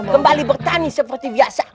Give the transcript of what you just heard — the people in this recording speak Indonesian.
kembali bertani seperti biasa